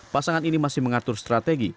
pasangan ini masih mengatur strategi